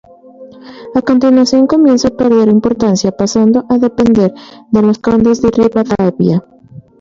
A continuación comienza a perder importancia pasando a depender de los Condes de Ribadavia.